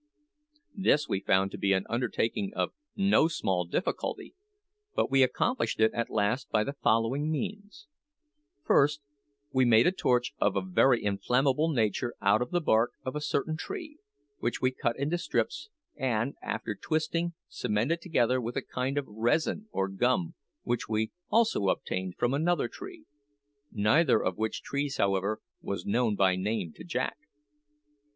This we found to be an undertaking of no small difficulty, but we accomplished it at last by the following means: First, we made a torch of a very inflammable nature out of the bark of a certain tree, which we cut into strips, and after twisting, cemented together with a kind of resin or gum, which we also obtained from another tree; neither of which trees, however, was known by name to Jack.